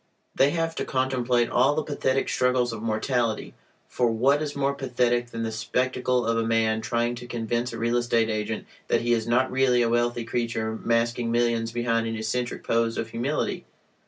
They have to contemplate all the pathetic struggles of mortality, for what is more pathetic than the spectacle of a man trying to convince a real estate agent that he is not really a wealthy creature masking millions behind an eccentric pose of humility?